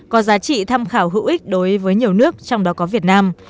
có giá trị tham khảo hữu ích đối với nhiều nước trong đó có việt nam